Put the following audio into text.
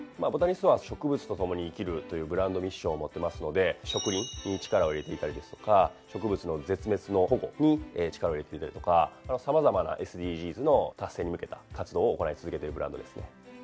「ＢＯＴＡＮＩＳＴ」は「植物と共に生きる」というブランドミッションを持ってますので植林に力を入れていたりですとか植物の絶滅の保護に力を入れていたりとか様々なＳＤＧｓの達成に向けた活動を行い続けてるブランドですね。